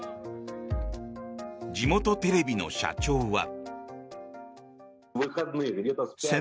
地元テレビの社長は。